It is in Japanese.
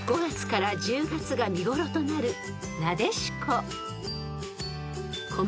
［５月から１０月が見頃となる］